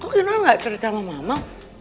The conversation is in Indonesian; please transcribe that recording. kok kinar enggak cerita sama mama